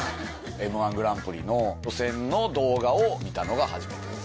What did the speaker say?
Ｍー１グランプリの予選の動画を見たのが初めてです。